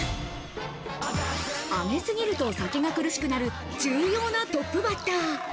上げすぎると先が苦しくなる重要なトップバッター。